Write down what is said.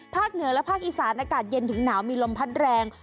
เหนือและภาคอีสานอากาศเย็นถึงหนาวมีลมพัดแรง